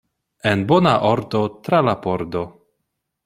En bona ordo tra la pordo!